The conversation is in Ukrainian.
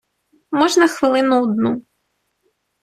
Можна хвилину одну.